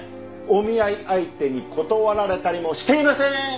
お見合い相手に断られたりもしていませーん！